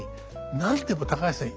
「何でも高橋さん